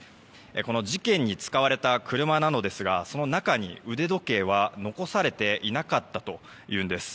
この事件に使われた車ですがその中に腕時計は残されていなかったというんです。